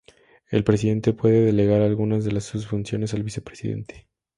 El Presidente puede delegar algunas de sus funciones al vicepresidente.